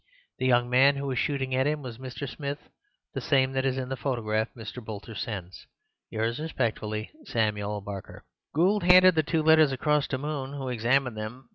The young man who was shooting at him was Mr. Smith, the same that is in the photograph Mr. Boulter sends.— Yours respectfully, Samuel Barker." Gould handed the two letters across to Moon, who examined them.